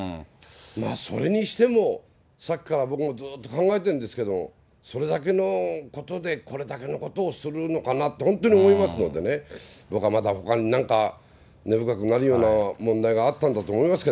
それにしても、さっきから僕もずっと考えてるんですけど、それだけのことで、これだけのことをするのかなって、本当に思いますのでね、僕は、まだほかに何か、根深くなるような問題があったんだと思いますけ